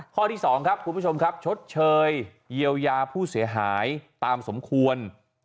ข้อที่๒ครับคุณผู้ชมครับชดเชยเยียวยาผู้เสียหายตามสมควร